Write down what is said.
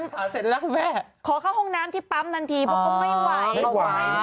ส่งผู้โดยสารเสร็จแล้วแม่ขอเข้าห้องน้ำที่ปั๊มทันทีเพราะเขาไม่ไหว